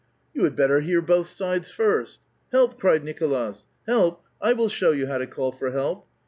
*' You had better hear both sides first." *' Help I " cried Nicolas. *' Help? T will show you how to call for help."